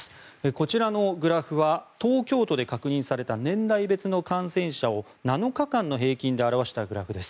こちらのグラフは東京都で確認された年代別の感染者を７日間の平均で表したグラフです。